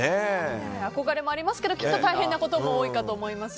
憧れもありますけどきっと大変なことも多いかと思います。